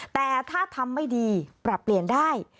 แต่ถ้าทำไม่ดีปรับเปลี่ยนได้